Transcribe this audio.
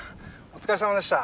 お疲れさまでした。